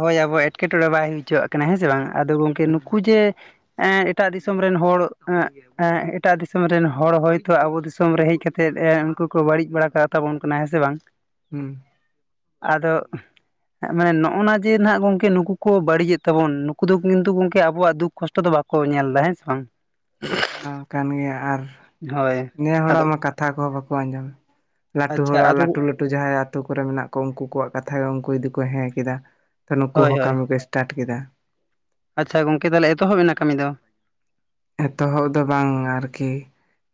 Speaker 2: ᱦᱳᱭ ᱟᱵᱚ ᱮᱸᱴᱠᱮᱴᱚᱸᱬᱮ ᱵᱟᱭ ᱦᱩᱭ ᱦᱚᱪᱚᱣᱟᱜ ᱠᱟᱱᱟ ᱦᱮᱸ ᱥᱮ ᱵᱟᱝ ᱟᱫᱚ ᱜᱚᱝᱠᱮ
Speaker 1: ᱦᱩᱸ
Speaker 2: ᱱᱩᱠᱩ ᱡᱮ ᱮᱸ ᱮᱴᱟᱜ ᱫᱤᱥᱚᱢ ᱨᱮᱱ ᱦᱚᱲ ᱮᱸᱜ ᱮᱸᱜ ᱮᱴᱟᱜ ᱫᱤᱥᱚᱢ ᱨᱮᱱ ᱦᱚᱲ ᱦᱚᱭᱛᱳ ᱟᱵᱚ ᱫᱤᱥᱚᱢ ᱨᱮ ᱦᱮᱡ ᱠᱟᱛᱮ ᱮ ᱩᱱᱠᱩ ᱠᱚ ᱵᱟᱹᱲᱤᱡ ᱵᱟᱲᱟᱤᱡ ᱵᱟᱲᱟ ᱠᱟᱜ ᱛᱟᱵᱚᱱ ᱠᱟᱱᱟ ᱦᱮᱸ ᱥᱮ ᱵᱟᱝ᱾
Speaker 1: ᱦᱩᱸ
Speaker 2: ᱟᱫᱚ ᱢᱟᱱᱮ ᱱᱚᱜ ᱱᱚᱜᱼᱱᱟ ᱡᱮ ᱱᱟᱦᱟᱸᱜ ᱜᱚᱝᱠᱮ ᱱᱩᱠᱩ ᱠᱚ ᱵᱟᱹᱲᱤᱡᱮᱫ ᱛᱟᱵᱚᱱ ᱱᱩᱠᱩ ᱫᱚ ᱠᱤᱱᱛᱩ ᱜᱚᱝᱠᱮ ᱟᱵᱚᱣᱟᱜ ᱫᱩᱠ ᱠᱚᱥᱴᱚ ᱫᱚ ᱵᱟᱠᱚ ᱧᱮᱞ ᱮᱫᱟ ᱦᱮᱸ ᱥᱮ ᱵᱟᱝ᱾
Speaker 1: ᱚᱱᱟ ᱦᱚᱸ ᱠᱟᱱ ᱜᱮᱭᱟ ᱟᱨ
Speaker 2: ᱦᱳᱭ
Speaker 1: ᱱᱤᱭᱟᱹ
Speaker 2: ᱟᱫᱚ
Speaker 1: ᱦᱚᱲᱟᱜ ᱢᱟ ᱠᱟᱛᱷᱟ ᱠᱚᱦᱚᱸ ᱵᱟᱠᱚ ᱟᱸᱡᱚᱢᱟ ᱞᱟᱹᱴᱩ
Speaker 2: ᱟᱪᱪᱷᱟ
Speaker 1: ᱦᱚᱲᱟᱜ
Speaker 2: ᱟᱫᱚ
Speaker 1: ᱞᱟᱹᱴᱩ ᱞᱟᱹᱴᱩ ᱴᱩ ᱡᱟᱦᱟᱸᱭ ᱟᱛᱳ ᱠᱚᱨᱮ ᱢᱮᱱᱟᱜ ᱠᱚ ᱩᱱᱠᱩ ᱠᱚᱣᱟᱜ ᱠᱟᱛᱷᱟ ᱜᱮ ᱩᱱᱠᱩ ᱡᱫᱤ ᱠᱚ ᱦᱮᱸ ᱠᱮᱫᱟ ᱛᱚ ᱱᱩᱠᱩ
Speaker 2: ᱦᱳᱭ
Speaker 1: ᱦᱚᱸ
Speaker 2: ᱦᱳᱭ
Speaker 1: ᱠᱟᱹᱢᱤ ᱥᱴᱟᱴ ᱠᱮᱫᱟ᱾
Speaker 2: ᱟᱪᱪᱷᱟ ᱜᱚᱝᱠᱮ ᱛᱟᱦᱚᱞᱮ ᱮᱛᱚᱦᱚᱵ ᱮᱱᱟ ᱠᱟᱹᱢᱤ ᱫᱚ᱾
Speaker 1: ᱮᱛᱚᱦᱚᱵ ᱫᱚ ᱵᱟᱝ ᱟᱨᱠᱤ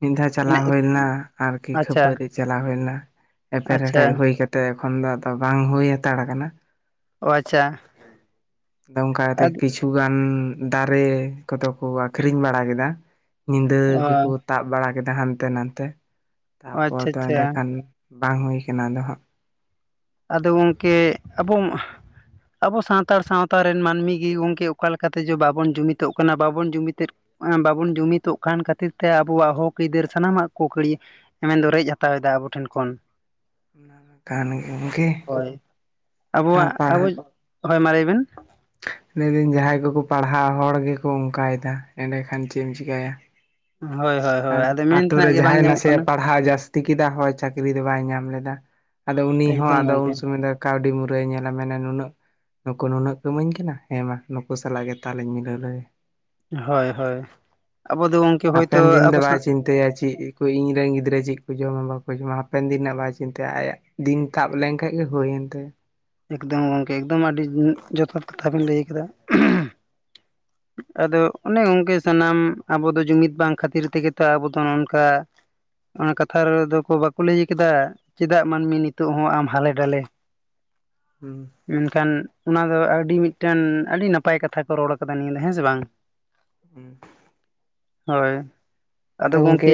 Speaker 1: ᱢᱤᱫ ᱫᱷᱟᱣ
Speaker 2: ᱢᱟᱱᱮ
Speaker 1: ᱪᱟᱞᱟᱣ ᱦᱳᱭ ᱞᱮᱱᱟ ᱟᱨᱠᱤ
Speaker 2: ᱟᱪᱪᱷᱟ
Speaker 1: ᱠᱷᱟᱹᱯᱟᱹᱨᱤ ᱪᱟᱞᱟᱣ ᱦᱩᱭᱳᱭ ᱞᱮᱱᱟ ᱮᱯᱮᱨ
Speaker 2: ᱟᱪᱪᱷᱟ
Speaker 1: ᱦᱮᱰᱮᱡ ᱦᱩᱭ ᱠᱟᱛ ᱛᱮ ᱮᱠᱷᱚᱱ ᱫᱚ ᱟᱫᱚ ᱵᱟᱝ ᱦᱩᱭ ᱦᱟᱛᱟᱲ ᱠᱟᱱᱟ᱾
Speaker 2: ᱚ ᱟᱪᱪᱷᱟ
Speaker 1: [unintelligible] ᱠᱟᱛᱮ ᱠᱤᱪᱷᱩ
Speaker 2: ᱟᱫᱚ
Speaker 1: ᱠᱤᱪᱷᱩ ᱜᱟᱱ ᱫᱟᱨᱮ ᱠᱚᱫᱚ ᱠᱚ ᱟᱠᱷᱨᱤᱧ ᱵᱟᱲᱟ ᱠᱮᱫᱟ, ᱧᱤᱫᱟᱹ
Speaker 2: ᱚ
Speaker 1: ᱜᱮᱠᱚ ᱛᱟᱵ ᱵᱟᱲᱟ ᱠᱮᱫᱟ ᱦᱟᱱᱛᱮ ᱱᱟᱛᱮ, ᱛᱟᱯᱚᱨᱮ
Speaker 2: ᱟᱪᱪᱷᱟ
Speaker 1: ᱫᱚ
Speaker 2: ᱟᱪᱪᱷᱟ
Speaker 1: ᱮᱸᱰᱮ ᱠᱷᱟᱱ ᱵᱟᱝ ᱦᱩᱭ ᱠᱟᱱᱟ ᱟᱫᱚ ᱦᱟᱸᱜ᱾
Speaker 2: ᱟᱫᱚ ᱜᱚᱝᱠᱮ ᱟᱵᱚ ᱢᱟ ᱟᱵᱚ ᱥᱟᱱᱛᱟᱲ ᱥᱟᱶᱛᱟ ᱨᱮᱱ ᱢᱟᱹᱱᱢᱤ ᱜᱮ ᱜᱚᱝᱠᱮ ᱚᱠᱟ ᱞᱮᱠᱟ ᱞᱮᱠᱟ ᱛᱮᱪᱚ ᱵᱟᱵᱚᱱ ᱡᱩᱢᱤᱛᱚᱜ ᱠᱟᱱᱟ ᱵᱟᱵᱚᱱ ᱡᱩᱢᱤᱛᱮᱫ ᱮᱸ ᱵᱟᱵᱚᱱ ᱡᱩᱢᱤᱛᱚᱜ ᱠᱷᱟᱱ ᱠᱷᱟᱹᱛᱤᱨ ᱛᱮ ᱟᱵᱚᱣᱟᱜ ᱦᱚᱠ ᱟᱹᱭᱫᱟᱹᱨ ᱥᱟᱱᱟᱢᱟᱜ ᱠᱚ ᱠᱟᱹᱲᱤ ᱮ ᱢᱮᱱ ᱫᱚ ᱨᱮᱡ ᱦᱟᱛᱟᱣᱮᱫᱟ ᱟᱵᱚ ᱴᱷᱮᱱ ᱠᱷᱚᱱ᱾
Speaker 1: ᱚᱱᱟ ᱢᱟ ᱠᱟᱱ ᱜᱮ᱾
Speaker 2: ᱦᱳᱭ
Speaker 1: ᱟᱨ
Speaker 2: ᱟᱵᱚᱣᱟᱜ
Speaker 1: ᱯᱟᱲᱦᱟᱣ
Speaker 2: ᱟᱵᱚ ᱦᱳᱭ ᱢᱟ ᱞᱟᱹᱭ ᱵᱮᱱ᱾
Speaker 1: ᱞᱟᱭ ᱫᱤᱱ ᱡᱟᱦᱟᱸᱭ ᱠᱚᱠᱚ ᱯᱟᱲᱦᱟᱜ ᱦᱚᱲ ᱜᱮᱠᱚ ᱚᱱᱠᱟᱭᱮᱫᱟ ᱮᱸᱰᱮᱠᱷᱟᱱ ᱪᱮᱫ ᱮᱢ ᱪᱤᱠᱟᱹᱭᱟ᱾
Speaker 2: ᱦᱳᱭ ᱦᱳᱭ᱾ ᱦᱳᱭ
Speaker 1: ᱟᱨ
Speaker 2: ᱟᱫᱚ ᱢᱮᱱ
Speaker 1: ᱟᱛᱳ ᱨᱮ
Speaker 2: ᱛᱮᱱᱟᱜ ᱜᱮ ᱵᱟᱝ
Speaker 1: ᱡᱟᱦᱟᱸᱭ
Speaker 2: ᱧᱟᱢᱚᱜ
Speaker 1: ᱱᱟᱥᱮᱭᱟᱜ
Speaker 2: ᱠᱟᱱᱟ
Speaker 1: ᱯᱟᱲᱦᱟᱣ ᱡᱟᱥ ᱛᱤ ᱠᱮᱫᱟ ᱦᱚᱭ ᱪᱟᱹᱠᱨᱤ ᱫᱚ ᱵᱟᱭ ᱧᱟᱢ ᱞᱮᱫᱟ, ᱟᱫᱚ ᱩᱱᱤ ᱦᱚᱸ
Speaker 2: ᱮᱠᱫᱚᱢ
Speaker 1: ᱟᱫᱚ ᱩᱱ
Speaker 2: ᱜᱚᱝᱠᱮ
Speaker 1: ᱥᱚᱢᱚᱭ ᱫᱚ ᱠᱟᱹᱣᱰᱤ ᱢᱩᱨᱟᱹᱭ ᱧᱮᱞᱟ ᱢᱮᱱᱟ ᱱᱩᱱᱟᱹᱜ ᱱᱩᱠᱩ ᱱᱩᱱᱟᱹᱜ ᱠᱚ ᱤᱢᱟᱹᱧ ᱠᱟᱱᱟ, ᱦᱮᱸ ᱢᱟ ᱱᱩᱠᱩ ᱥᱟᱞᱟᱜ ᱜᱮ ᱛᱟᱞᱤᱧ ᱢᱤᱞᱟᱹᱣ ᱞᱮᱜᱮ᱾
Speaker 2: ᱦᱳᱭ ᱦᱳᱭ, ᱟᱵᱚ ᱫᱚ ᱜᱚᱝᱠᱮ ᱦᱚᱭᱛᱳ
Speaker 1: ᱦᱟᱯᱮᱱ ᱫᱤᱱ ᱫᱚ
Speaker 2: ᱟᱵᱚ
Speaker 1: ᱵᱟᱭ
Speaker 2: ᱥᱟᱶ
Speaker 1: ᱪᱤᱱᱛᱟᱹᱭᱟ ᱪᱮᱫ ᱠᱚ ᱤᱧᱨᱮᱱ ᱜᱤᱫᱽᱨᱟᱹ ᱪᱮᱫ ᱠᱚ ᱡᱚᱢᱟ ᱵᱟᱠᱚ ᱡᱚᱢᱟ ᱦᱟᱯᱮᱱ ᱫᱤᱱ ᱨᱮᱱᱟᱜ ᱵᱟᱭ ᱪᱤᱱᱛᱟᱹᱭᱟ ᱟᱭᱟᱜ ᱫᱤᱱ ᱛᱟᱵ ᱞᱮᱱᱠᱷᱟᱱ ᱜᱮ ᱦᱳᱭᱮᱱ ᱛᱟᱭᱟ᱾
Speaker 2: ᱮᱠᱫᱚᱢ ᱜᱚᱝᱠᱮ ᱮᱠᱫᱚᱢ ᱟᱹᱰᱤ ᱡᱚᱛᱷᱟᱛ ᱠᱟᱛᱷᱟ ᱵᱤᱱ ᱞᱟᱹᱭ ᱟᱠᱟᱫᱟ᱾ ᱟᱫᱚ ᱚᱱᱮ ᱜᱚᱝᱠᱮ ᱥᱟᱱᱟᱢ ᱟᱵᱚ ᱫᱚ ᱡᱩᱢᱤᱫ ᱵᱟᱝ ᱠᱷᱟᱹᱛᱤᱨ ᱛᱮᱜᱮ ᱛᱚ ᱟᱵᱚ ᱫᱚ ᱱᱚ-ᱚᱱᱠᱟ ᱚᱱᱟ ᱠᱟᱛᱷᱟ ᱨᱮᱫᱚ ᱠᱚ ᱵᱟᱠᱚ ᱞᱟᱹᱭ ᱟᱠᱟᱫᱟ, ᱪᱮᱫᱟᱜ ᱢᱟᱹᱱᱢᱤ ᱱᱤᱛᱚᱜ ᱦᱚᱸ ᱟᱢ ᱦᱟᱞᱮ ᱰᱟᱞᱮ? [inaudible]
Speaker 1: ᱦᱩᱸ᱾
Speaker 2: ᱢᱮᱱᱠᱷᱟᱱ ᱚᱱᱟ ᱫᱚ ᱟᱹᱰᱤ ᱢᱤᱫᱴᱮᱱ, ᱟᱹᱰᱤ ᱱᱟᱯᱟᱭ ᱠᱟᱛᱷᱟ ᱠᱚ ᱨᱚᱲ ᱟᱠᱟᱫᱟ ᱱᱤᱭᱟᱹ ᱫᱚ, ᱦᱮᱸ ᱥᱮ ᱵᱟᱝ?
Speaker 1: ᱦᱩᱸ᱾
Speaker 2: ᱦᱳᱭ᱾
Speaker 1: ᱟᱫᱚ ᱜᱚᱝᱠᱮ,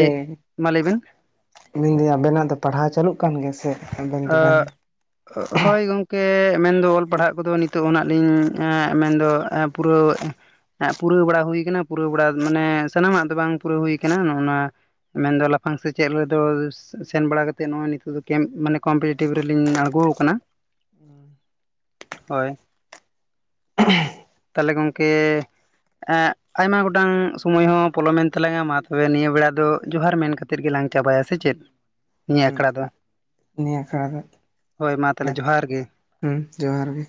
Speaker 2: ᱢᱟ ᱞᱟᱹᱭ ᱵᱮᱱ
Speaker 1: ᱢᱮᱱᱫᱟᱹᱧ ᱟᱵᱮᱱᱟᱜ ᱫᱚ ᱯᱟᱲᱦᱟᱣ ᱪᱟᱹᱞᱩᱜ ᱠᱟᱱ ᱜᱮ ᱥᱮ ᱟᱵᱮᱱ
Speaker 2: ᱚᱻ
Speaker 1: ᱫᱚᱵᱮᱱ
Speaker 2: ᱦᱳᱭ ᱜᱚᱝᱠᱮ, ᱢᱮᱱᱫᱚ ᱚᱞ ᱯᱟᱲᱦᱟᱜ ᱠᱚᱫᱚ ᱱᱤᱛᱚᱜ ᱦᱚᱸ ᱱᱟᱜ ᱞᱤᱧ ᱢᱮᱱᱫᱚ ᱮᱸ ᱯᱩᱨᱟᱹᱳ ᱮᱸᱫ ᱯᱩᱨᱟᱹᱣ ᱵᱟᱲᱟ ᱦᱩᱭ ᱠᱟᱱᱟ ᱯᱩᱨᱟᱹᱣ ᱵᱟᱲᱟ, ᱢᱟᱱᱮ ᱥᱟᱱᱟᱢᱟᱜ ᱫᱚ ᱵᱟᱝ ᱯᱩᱨᱟᱹᱣ ᱦᱩᱭ ᱠᱟᱱᱟ ᱱᱚᱜ-ᱱᱚᱣᱟ ᱢᱮᱱᱫᱚ ᱞᱟᱯᱷᱟᱝ ᱥᱮᱪᱮᱫ ᱨᱮᱫᱚ ᱥᱮᱱ ᱵᱟᱲᱟ ᱠᱟ ᱠᱟᱛᱮᱫ ᱱᱚᱜ-ᱚᱭ ᱱᱤᱛᱚᱜ ᱫᱚ ᱠᱮᱢᱯ ᱢᱟᱱᱮ ᱠᱚᱢᱯᱤᱴᱤᱴᱤᱵᱷ ᱨᱮᱞᱤᱧ ᱟᱬᱜᱚ ᱟᱠᱟᱱᱟ, ᱦᱳᱭ᱾ ᱛᱟᱞᱦᱮ ᱜᱚᱝᱠᱮ ᱮᱸ ᱟᱭᱢᱟ ᱜᱚᱴᱟᱝ ᱥᱚᱢᱚᱭ ᱦᱚᱸ ᱯᱚᱞᱚᱢᱮᱱ ᱛᱟᱞᱟᱝᱟ, ᱢᱟ ᱛᱚᱵᱮ ᱱᱤᱭᱟᱹ ᱵᱮᱲᱟ ᱫᱚ ᱡᱚᱦᱟᱨ ᱢᱮᱱ ᱠᱟ ᱛᱮᱫ ᱜᱮᱞᱟᱝ ᱪᱟᱵᱟᱭᱟ, ᱥᱮ ᱪᱮᱫ? ᱱᱤᱭᱟᱹ
Speaker 1: ᱦᱩᱸ
Speaker 2: ᱟᱠᱷᱲᱟ ᱫᱚ᱾
Speaker 1: ᱱᱤᱭᱟᱹ ᱟᱠᱷᱲᱟ ᱫᱚ᱾
Speaker 2: ᱦᱳᱭ ᱢᱟ ᱛᱟᱞᱦᱮ ᱡᱚᱦᱟᱨ ᱜᱮ᱾
Speaker 1: ᱦᱩᱸ ᱡᱚᱦᱟᱨ ᱜᱮ᱾